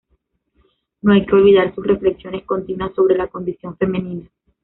No hay que olvidar sus reflexiones continuas sobre la condición femenina.